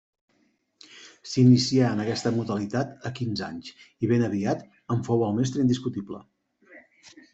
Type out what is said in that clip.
S'inicià en aquesta modalitat a quinze anys, i ben aviat en fou el mestre indiscutible.